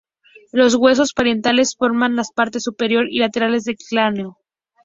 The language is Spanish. Los huesos parietales forman las partes superior y laterales del cráneo.